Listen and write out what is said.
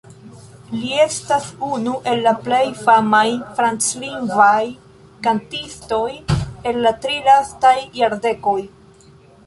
Li estas unu el la plej famaj franclingvaj kantistoj el la tri lastaj jardekoj.